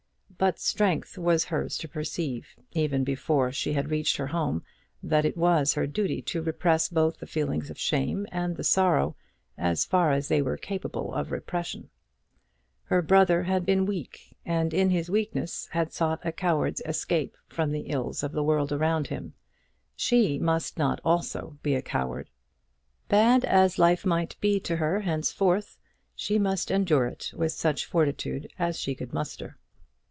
But strength was hers to perceive, even before she had reached her home, that it was her duty to repress both the feeling of shame and the sorrow, as far as they were capable of repression. Her brother had been weak, and in his weakness had sought a coward's escape from the ills of the world around him. She must not also be a coward! Bad as life might be to her henceforth, she must endure it with such fortitude as she could muster.